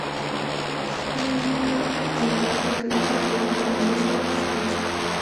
Henrik imparte clases de violonchelo a su hija.